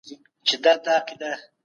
رښتینی عزت د نفس په کنټرول کي دی.